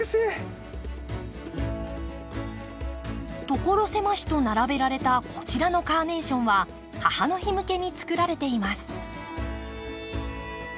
所狭しと並べられたこちらのカーネーションは母の日向けにつくられています。